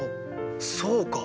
そうか！